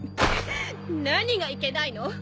何がいけないの！？